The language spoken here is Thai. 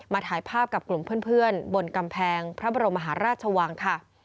ถ่ายภาพกับกลุ่มเพื่อนบนกำแพงพระบรมมหาราชวังค่ะ